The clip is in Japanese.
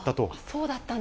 そうだったんだ。